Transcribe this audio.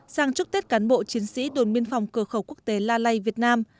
sang chúc tết cán bộ chiến sĩ đồn biên phòng cửa khẩu quốc tế la lai việt nam